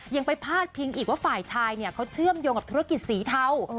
ยังไปพาดพิงอีกว่าฝ่ายชายเนี่ยเขาเชื่อมโยงกับธุรกิจสีเทา